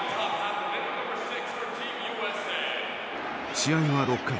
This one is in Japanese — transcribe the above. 試合は６回。